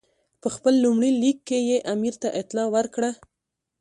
په خپل لومړي لیک کې یې امیر ته اطلاع ورکړه.